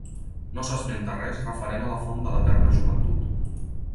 No s'esmenta res referent a la font de l'eterna joventut.